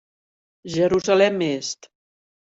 Jerusalem Est.